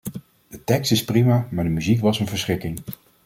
De tekst is prima, maar de muziek was een verschrikking.